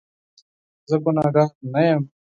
زه ګناکاره نه یم